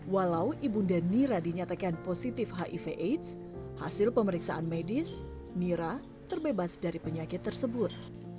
walau ibunda nira dinyatakan positif hiv aids hasil pemeriksaan medis nira terbebas dari penyakit tersebut